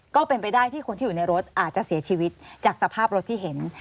ก็เป็นไปได้ที่คนที่อยู่ในรถอาจจะเสียชีวิตจากสภาพรถที่เห็น